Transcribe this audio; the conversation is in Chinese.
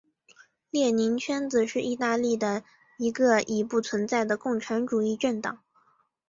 列宁圈子是意大利的一个已不存在的共产主义政党。